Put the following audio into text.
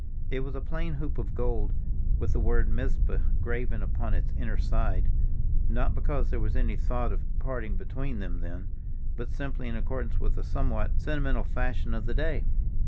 It was a plain hoop of gold, with the word Mizpah graven upon its inner side, not because there was any thought of parting between them then, but simply in accordance with a somewhat sentimental fashion of the day.